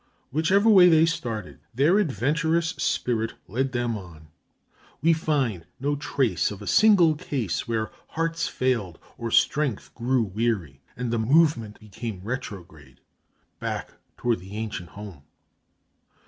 Whichever way they started, their adventurous spirit led them on. We find no trace of a single case where hearts failed or strength grew weary and the movement became retrograde, back toward the ancient home.